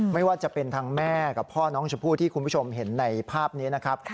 ไม่ว่าจะเป็นทางแม่กับพ่อน้องชมพู่ที่คุณผู้ชมเห็นในภาพนี้นะครับ